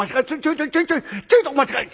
「ちょいとお待ち下さい！